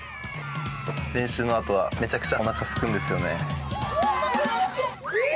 練習のあとはめちゃくちゃおなかすくんですよね。